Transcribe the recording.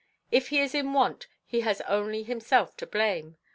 If he is in want, he has only himself to blame.